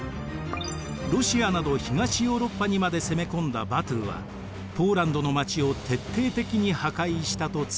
ロシアなど東ヨーロッパにまで攻め込んだバトゥはポーランドの町を徹底的に破壊したと伝えられています。